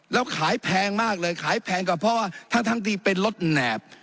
แล้วขายแพงมากเลยขายแพงกว่าเพราะว่าทั้งที่เป็นรถแหนบ